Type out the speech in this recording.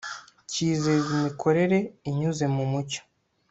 cyizeza imikorere inyuze mu mucyo